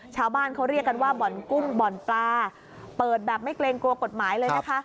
ชาวบ้านเขาเรียกกันว่าบ่อนกุ้งบ่อนปลาเปิดแบบไม่เกรงกลัวกฎหมายเลยนะคะ